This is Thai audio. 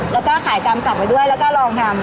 แล้วก็ขายตามจับไว้ด้วยแล้วก็ลองทำ